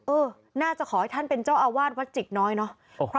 เออน่าจะขอให้ท่านเป็นเจ้าอาวาสวัดจิกน้อยเนาะ